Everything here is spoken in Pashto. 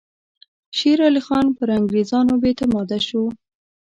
شېر علي خان پر انګریزانو بې اعتماده شو.